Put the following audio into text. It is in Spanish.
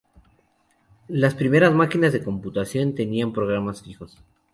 Las primeras máquinas de computación tenían programas fijos.